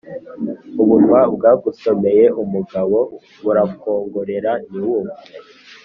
Ubunwa bwagusomeye umugabo burakwongrera ntiwumve.